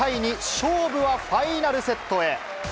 勝負はファイナルセットへ。